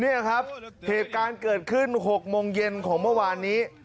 นี่ครับเหตุการณ์เกิดขึ้น๖โมงเย็นของเมื่อวานนี้